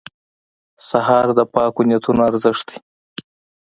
سهار د پاکو نیتونو ارزښت دی.